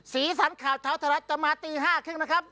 สีสันข่าวเช้าไทยรัฐจะมาตี๕๓๐นะครับ